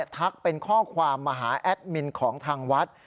ทักเป็นข้อความมาหาแอดมินของทางวัด